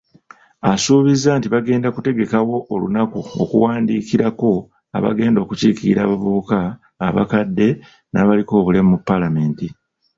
Asuubizza nti bagenda kutegekawo olunaku okuwandiikirako abagenda okukiikirira abavubuka, abakadde, n'abaliko obulemu mu palamenti.